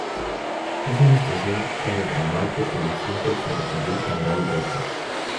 Es una estación del ramal perteneciente al Ferrocarril General Roca.